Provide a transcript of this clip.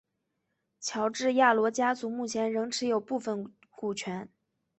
乔治亚罗家族目前仍持有部份股权。